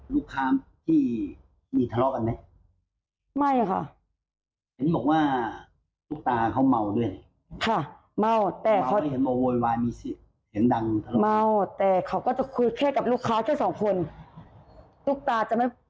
ลูกค้าที่มีทะเลาะกันไหม